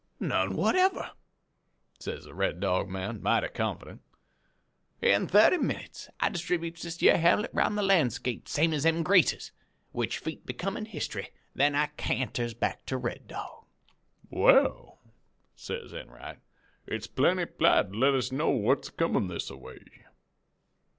"'None whatever,' says the Red Dog man, mighty confident. 'In thirty minutes I distributes this yere hamlet 'round in the landscape same as them Greasers; which feat becomin' hist'ry, I then canters back to Red Dog.' "'Well,' says Enright, 'it's plenty p'lite to let us know what's comin' this a way.'